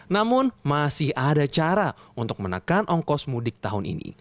namun masih ada cara untuk menekan ongkos mudik tahun ini